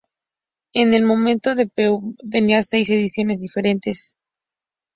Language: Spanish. En el momento de "Le Peuple" tenía seis ediciones diferentes.